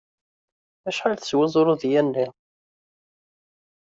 Acḥal teswa zrudya-nni?